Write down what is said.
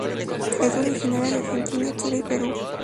Es originaria de Argentina, Chile y Perú.